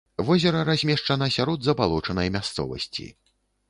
Возера размешчана сярод забалочанай мясцовасці.